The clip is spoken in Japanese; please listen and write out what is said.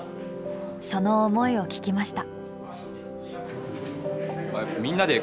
その思いを聞きました。